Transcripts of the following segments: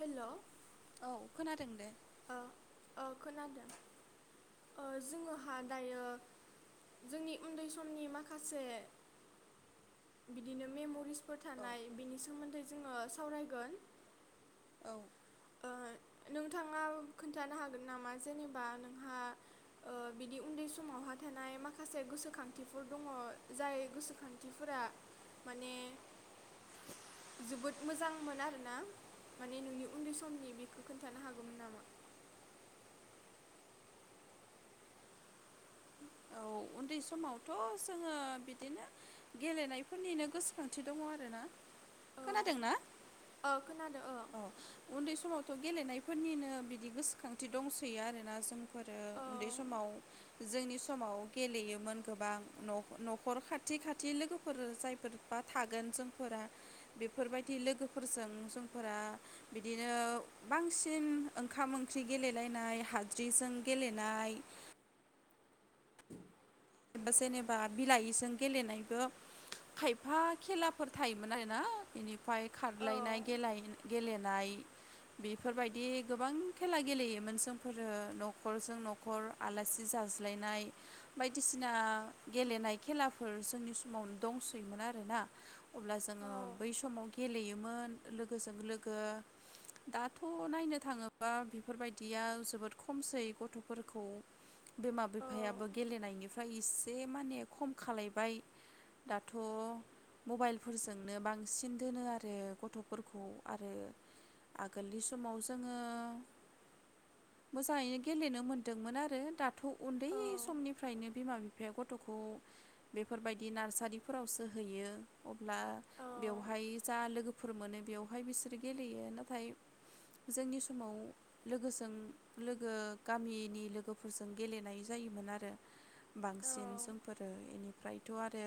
Hello औ खोनादों दे। ओ ओ खोनादों जोङोहा दायो जोंनि उन्दै समनि माखासे बिदिनो मेमरिस औ फोथानाय बिनि सोमोन्दै जोङो सावरायगोन औ ओ नोंथाङा खोन्थानो हागोन नामा जेनेबा नोंहा बिनि उन्दै समावहा थानाय माखासे गोसोखांथिफोर दङ जाय गोसोखांथिफोरा माने जोबोद मोजांमोन आरोना माने नोंनि उन्दै समनि बेखौ खोन्थानो हागौमोन नामा? औ उन्दै समावथ' जोङो बिदिनो गेलेनायफोरनिनो गोसोखांथि दङ आरोना औ औ खोनादों औ अ उन्दै समावथ' गेलेनायफोरनिनो बिदि गोसोखांथि दंसैयो आरोना जोंफोरो औ उन्दै समाव जोंनि समाव गेलेयोमोन गोबां नखर खाथि खाथि लोगोफोर जायफोरबा थागोन जोंफोरा बेफोरबायदि लोगोफोरजों जों फोरा बिदिनो बांसिन ओंखाम ओंख्रि गेलेलायनाय हाद्रिजों गेलेनाय बा जेनेबा बिलाइजों गेलेनायबो खायफा खेलाफोर थायोमोन आरोना बेनि उफाय खारलायनाय औ गेलाय गेले नाय बेफोरबायदि गोबां खेला गेलेयोमोन जोंफोरो न'खरजों न'खर आलासि जाज्लायनाय बाय बायदिसिना गेलेनाय खेलाफोर जोंनि समाव दंसैयोमोन आरोना अब्ला जोङो बै समाव गेलेयोमोन लोगोजों लोगो दाथ नायनो थाङोबा बेफोरबायदिया जोबोद खमसै गथफोरखौ बिमा बिफायाबो गेलेनायनि ओमफ्राय इसे माने खम खालायबाय दाथ मबाइलफोरजोंनो बांसिन दोनो आरो गथफोरखौ आरो आगोलनि समाव जोङो मोजाङैनो गेलेनो मोनदोंमोन आरो दाथ उन्दै समनिफ्रायनो बिमा बिफाया गथखौ बेफोरबायदि नार्सारिफोरावसो हैयो ला बेवहाय जा लोगोफोर मोनो बेयावहाय बिसोर गेलेयो नाथाय जोंनि समाव लोगोजों लोगो गामिनि लोगोफोरजों गेलेनाय जायोमोन आरो बांसिन समफोरो एनि ओमफ्रायथ आरो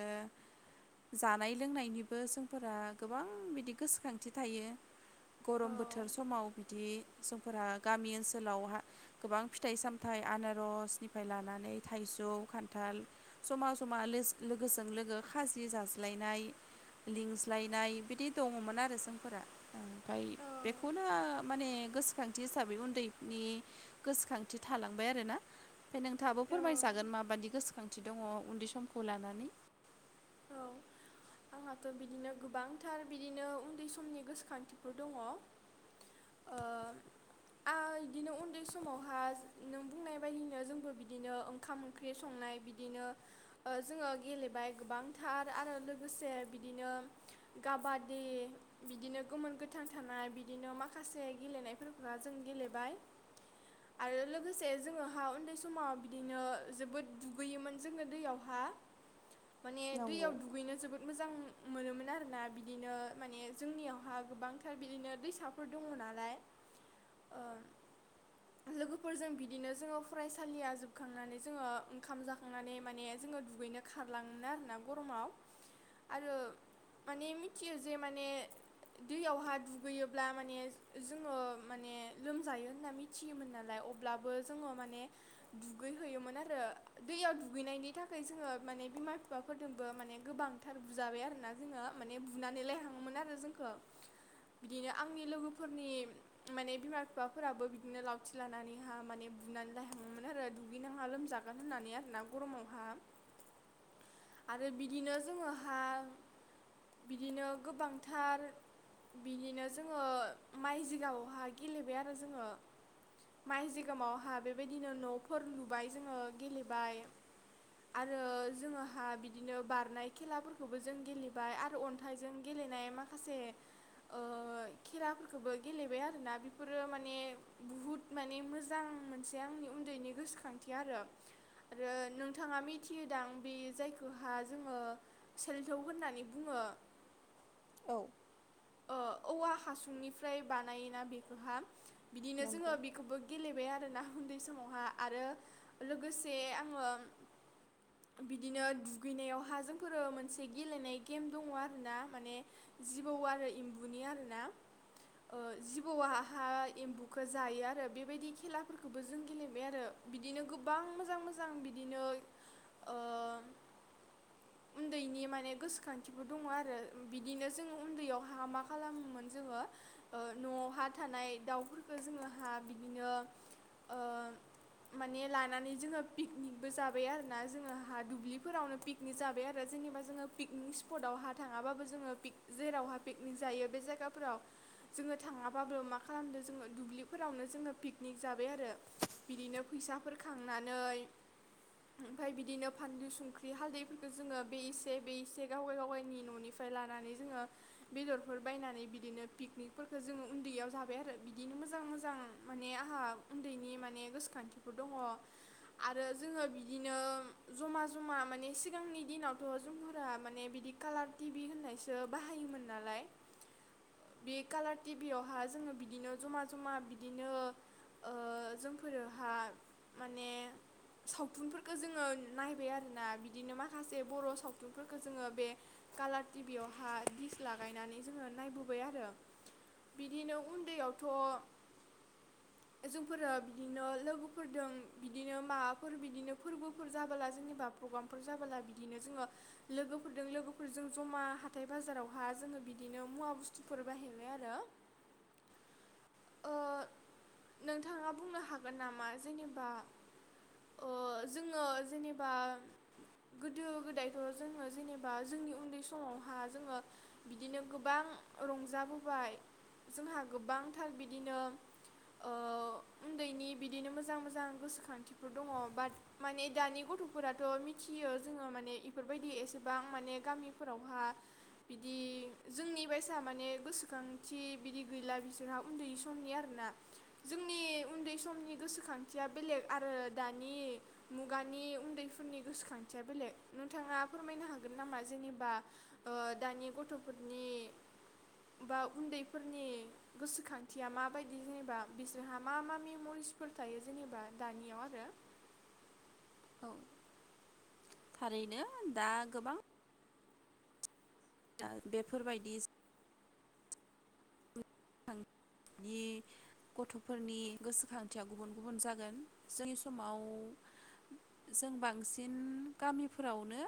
जानाय लोंनायनिबो जोंफोरा गोबां बिदि गोसोखांथि थायो गरम बोथोर समाव बिदि समफोरा गामि ओनसोलाव गोबां फिथाइ सामथाइ आनारसनिफ्राय लानानै थाइजौ खान्थाल जमा जमा लोगोजों लोगो खाजि जाज्लायनाय लिंज्लायनाय बिदि दङमोन आरो जोंफोरा ओमफाय बेखौनो माने गोसोखांथि हिसाबै उन्दैनि गोसोखांथि थालांबाय आरोना फ्राय नोंथाबो फोरमाजागोन मा गोसोखांथि दङ उन्दै समखौ लानानै। आंहाथ बिदिनो गोबांथार बिदिनो उन्दै समनि गोसोखांथिफोर दङ आं बिदिनो उन्दै समावहा नों बुंनाय बायदिनो जोंबो बिदिनो ओंखाम ओंख्रि संनाय बिदिनो जोङो गेलेबाय गोबां फोथार आरो लोगोसे बिदिनो काबादि बिदिनो गोमोन गोथां थानाय बिदिनो माखासे गेलेनायफोरखौ जों गेलेबाय आरो लोगोसे जोङोहा उन्दै समाव बिदिनो जोबोद दुगैयोमोन जोंनो दैयावहा माने नंगौ दैयाव दुगैनो जोबोद मोजां मोनोमोन आरोना बिदिनो माने जोंनियावहा गोबांथार बिदिनो दैसाफोर दङ नालाय ओ लोगोफोरजों बिदिनो जोङो फरायसालिया जोबखांनानै जोङो ओंखाम जाखांनानै माने जोङो दुगैनो खारलाङोमोन आरोना। गरमाव आरो माने मिथियो जे माने दैयावहा दुगैयोब्ला माने जोङो माने लोमजायो होनना मिथियोमोन नालाय अब्लाबो जोङो माने दुगैहोयोमोन आरो दैयाव दुगैनायनि थाखाय जोङो माने बिमा बिफाखौ फोरजोंबो माने गोबांथार बुजाबाय आरोना जोङो माने बुनानै लायहाङोमोन आरो जोंखौ बिदिनो आंनि लोगोफोरनि माने बिमा बिफाफोराबो बिदिनो लावथि लानानैहा माने बुनानै लायहाङोमोन आरो दुगैनाङा लोमजागोन होननानै आरोना गरमावहा आरो बिदिनो जोङोहा बिदिनो गोबांथार बिदिनो जोङो माइ जिगामावहा गेलेबाय आरो जोङो माइ जिगामावहा बेबायदिनो न'फोर लुबाय जोङो गेलेबाय आरो जोङोहा बि बिदिनो बारनाय खेलाफोरखौबो जों गेलेबाय आरो अन्थाइजों गेलेनाय माखासे खेलाफोरखौबो गेलेबाय आरोोना बेफोरो माने बुहुद माने मोजां मोनसे आंनि उन्दैनि गोसोखांथि आरो आरो नोंथाङा मिथिहोदां बे जाय खौहा जोङो सेल्थाव होननानै बुङो। औ ओ औवा हासुंनिफ्राय बानायोना बेखौहा बिदिनो जोङो नंगौ बेखौबो गेलेबाय आरोना उन्दै समावहा आरो लोगोसे आङो बिदिनो दुगैनायावहा जोंफोरो मोनसे गेलेनाय गेम दङ आरोना माने जिबौ आरो एम्बुनि आरो ना ओ जिबौआहा एम्बुखौ जायो आरो बेबायदि खेलाफोरखौबो जों गेलेबाय आरो बिदिनो गोबां मोजां मोजां बिदिनो ओ उन्दैनि माने गोसोखांथिफोर दङ आरो बिदिनो जों उन्दैयाव हा मा खालामोमोन जोङो ओ न'आवहा थानाय दाउफोरखौ जोङो हा बिदिनो ओ माने लानानै जोङो पिकनिकबो जाबाय आरोना जोङोहा दुब्लिफोरावनो पिकनिक जाबाय आरो जेनेबा जोङो पिकनिक स्पटआव हा थाङाबाबो जोङो पिक जेरावहा पिकनिक जायो बे जायगाफोराव जोङो थाङाबाबो मा खालामदों जोङो दुब्लिफोरावनो जोङो पिकनिक जाबाय आरो बिदिनो फैसाफोर खांनानै ओमफ्राय बिदिनो फानलु संख्रि हालदैफोरखौ जोङो बे एसे बे एसे गावगाय गावगायनि न'निफ्राय लानानै जोङो बेदरफोर बायनानै बिदिनो पिकनिकफोरखौ जोङो उन्दैयाव जाबाय आरो बिदिनो मोजां मोजां माने आंहा उन्दैनि माने गोसोखांथिफोर दङ आरो जोङो बिदिनो जमा जमा माने सिगांनि दिनावथ' जोंफोरा माने बिदि कालार टिबि होननायसो बाहायोमोन नालाय बे कालार टिभियावहा जोङो बिदिनो जमा जमा बिदिनो ओ जोंफोरोहा माने सावथुनफोरखौ जोङो नायबाय आरोना बिदिनो माखासे बर' सावथुनफोरखौ जोङो बे कालार टिभियावहा दिस लागायनानै जोङो नायबोबाय आरो बिदिनो उन्दैयावथ' जोंफोरो बिदिनो लोगोफोरदों बिदिनो माबाफोर बिदिनो फोरबोफोर जाबोला जेनेबा प्रग्रामफोर जाबोला बिदिनो जोङो लोगोफोरदों लोगोफोरजों जमा हाथाय बाजाराव हा जोंङो बिदिनो मुवा बुसथुफोर बायहैबाय आरो ओ नोंथाङा बुंनो हागोन नामा जेनेबा ओ जोङो जेनेबा गोदो गोदायथ' जोङो जेनेबा जोंनि उन्दै समावहा जोङो बिदिनो गोबां रंजाबोबाय जोंहा गोबांथार बिदिनो ओ उन्दैनि बिदिनो मोजां मोजां गोसोखांथिफोर दङ बाट माने दानि गथ'फोराथ' मिथियो जोङो माने इफोरबायदि एसेबां माने गामिफोरावहा बिदि जोंनि बायसा माने गोसोखांथि बिदि गैला बिसोरहा उन्दै समनि आरोना जोंनि उन्दै समनि गोसोखांथिया बेलेग आरो दानि मुगानि उन्दैफोरनि गोसोखांथिया बेलेग नोंथाङा फोरमायनो हागोन नामा जेनेबा ओ। दानि गथ'फोरनि बा उन्दैफोरनि गोसोखांथिया माबायदि जेनेबा बिसोरहा मा मा मेम'रिसफोर थायो जेनेबा दानियाव आरो? औ थारैनो दा गोबां दा बेफोरबायदि स [unintelligible] नि गथ'फोरनि गोसोखांथिया गुबुन गुबुन जागोन जोंनि समाव जों बांसिन गामिफोरावनो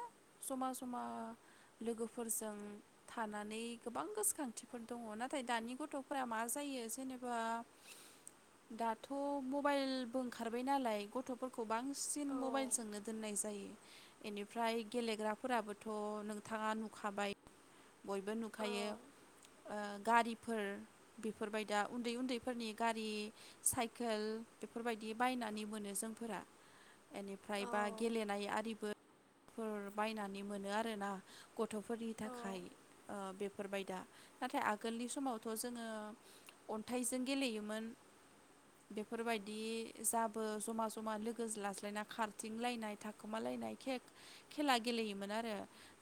जमा जमा लोगोफोरजों थानानै गोबां गोसोखांथिफोर दङ नाथाय दानि गथ' मा जायो जेनेबा दाथ' मबाइलबो ओंखारबाय नालाय गथ'फोर खौ बांसिन औ मबाइलजोंनो दोननायस जायो एनिफ्राय गेलेग्राफोराबोथ' नोंथाङा नुखाबाय बयबो औ नुखायो। ओ गारिफोर बेफोरबाय दा उन्दै उन्दैफोरनि गारि साइकेल बेफोरबायदि बायनानै मोनो जोंफोरा एनिफ्राय औ बा गेलेनाय आरिबो फोर बायनानै मोनो आरोना गथ'फोरनि औ ओ थाखाय ओ बेफोरबाय दा नाथाय आगोलनि समावथ' जोङो अन्थाइजों गेलेयोमोन बेफोरबायदि जाबो जमा जमा लोगो लाज्लायना खारथिंलायनाय थाखोमालायनाय केक खेला गेलेयोमोन आरो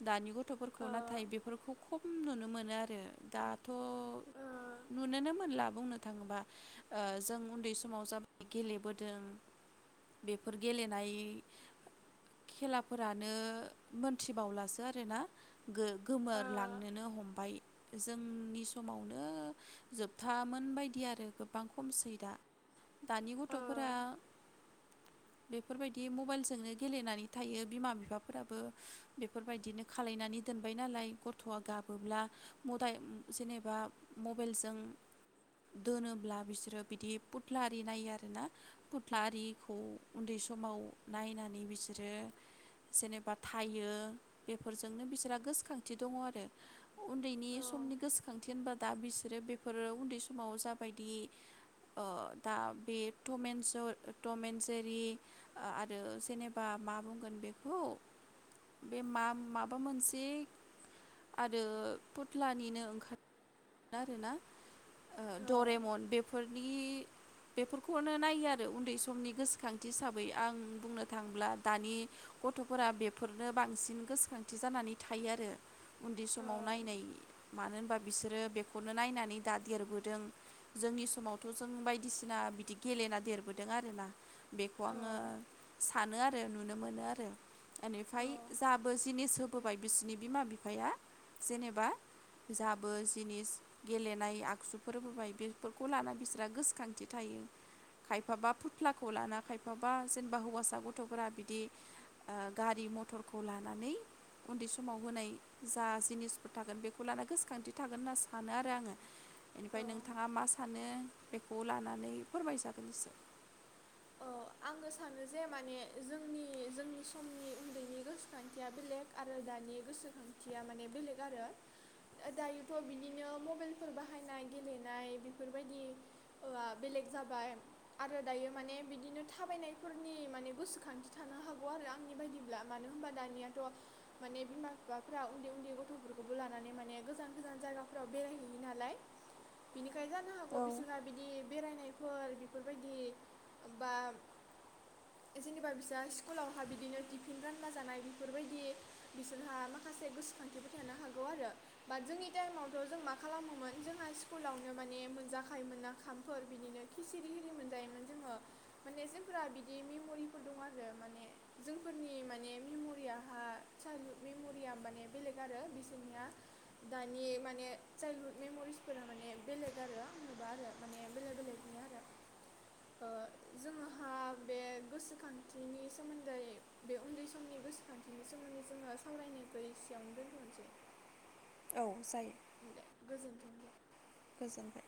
दानि गथ' गथ'फोरखौ ओ नाथाय बेफोरखौ खब नुनो मोनो आरो दाथ' ओ औ नुनोनो मोनला बुंनो थाङोबा। ओ जों उन्दै समाव जाबाय गेलेबोदों बेफोर गेलेनाय खेला फोरानो मोनथिबावलासो आरोना गो गोमोरलांनोनो हमबाय जोंनि समावनो जोबथामोन बायदि आरो गोबां खमसै दा दानि गथ'फोरा बेफोरबायदि मबाइलजोंनो गेलेनानै थायो। बिमा बिफाफोराबो बेफोरबायदिनो खालायनानै दोनबाय नालाय गथ'आ गाबोब्ला मदाइ जेनेबा मबेलजों दोनोब्ला बिसोरो बिदि पुत्ला आरि नायो आरोना पुत्ला आरिखौ उन्दै समाव नायनानै बिसोरो जेनेबा थायो बेफोरजोंनो बिसोरहा गोसोखांथि दङ आरो उन्दैनि समनि गोसोखांथि होनबा दा बिसोरो बेफोरो उन्दै समाव जाबायदि ओ दा बे टमेन स' टमेनजेरि आरो जेनेबा मा बुं गोन बेखौ बे मा माबा मोनसे आरो पुत्लानिनो ओंखा ना आरो ना दरेमन बेफोर इ बेफोरखौनो नायो आरो उन्दै समनि गोसोखांथि हिसाबै आं बुंनो थाङोब्ला दानि गथ'फोरा बेफोरनो बांसिन गोसोखांथि जानानै थायो आरो। उन्दै समाव नायनाय मानो होनबा बिसोरो बेखौनो नायनानै दा देरबोदों जोंनि समावथ' जों बायदिसिना बिदि गेलेना देरबोदों आरोना बेखौ आङो सानो आरो नुनो मोनो आरो एनिफ्राय जाबो जिनिस होबोबाय बिसनि बिमा बिफाया जेनेबा जाबो जिनिस गेलेनाय आगजुफोरबाय बेफोरखौ लाना बिस्रा गोसोखांथि थायो खायफाबा फुथ्लाखौ लाना खायफाबा जेनेबा हौवासा गथ'फोरा बिदि ओ गारि मथरखौ लानानै उन्दै समाव होनाय जा जिनिसफोर थागोन बेखौ लाना गोसोखांथि थागोन होनना सानो आरो आङो औ एनिफ्राय नोंथाङा मा सानो बेखौ लानानै फोरमायजागोन एसे। ओ आङो सानो जे माने जोंनि जोंनि समनि उन्दैनि गोसोखांथिया बेलेग आरो दानि गोसोखांथिया माने बेलेग आरो ओ दायोथ' बिदिनो मबाइलफोर बाहायनाय गेलेनाय बेफोरबायदि ओआ बेलेग जाबाय आरो दायो माने बिदिनो थाबायनायफोरनि माने गोसोखांथि थानो हागौ आरो आंनि बायदिब्ला मानो होनबा दानियाथ' माने बिमा बिफाफ्रा उन्दै उन्दै गथ'फोरखौबो लानानै माने गोजान गोजान जायगाफ्राव बेराय हैैयो नालाय बिनि खाय जानो हागौ औ बिसोरहा बिदि बेरायनायफोर बेफोरबायदि बा जेनेबा बिसा स्कुलावहा बिदिनो टिफिन रानला जानाय बिफोरबायदि बिसोरहा माखासे गोसोखांथिफोर थानो हागौ आरो बाट जोंनि टाइमावथ' जों मा खालामोमोन जोंहा स्कुलावनो माने मोनजाखायोमोनना खामफोर बिनिनो खिसिरि हिरि मोनजायोमोन जोङो। माने जोंफोरा बिदि मेमरिफोर दं आरो माने जोंफोरनि माने मेमरियाहा चाइल्डहुद मेमरिया माने बेलेग आरो बिसोरनिया दानि माने चाइल्डहुद मेमरिसफोरा माने बेलेग आरो होनोबा आरो माने बेलेक बेलेकनि आरो ओ जोंहा बे गोसोखांथिनि सोमोन्दै बे उन्दै समनि गोसोखांथिनि सोमोन्दै जोङो सावरायनायखो एसेयावनो दोनथ'नोसै। औ जायो। दे गोजोनथों दे गोजोनबाय।